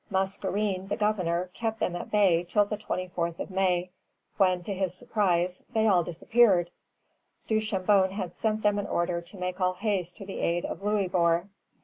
Mascarene, the governor, kept them at bay till the 24th of May, when, to his surprise, they all disappeared. Duchambon had sent them an order to make all haste to the aid of Louisbourg.